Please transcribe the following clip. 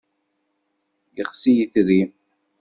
Yexsi yitri.